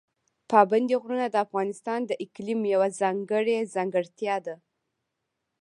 پابندي غرونه د افغانستان د اقلیم یوه ځانګړې ځانګړتیا ده.